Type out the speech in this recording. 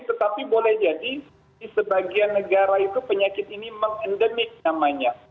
tetapi boleh jadi di sebagian negara itu penyakit ini meng endemik namanya